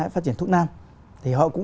phát triển thuốc nam thì họ cũng